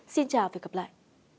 xin chào và hẹn gặp lại